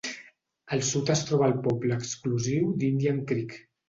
Al sud es troba el poble exclusiu d'Indian Creek.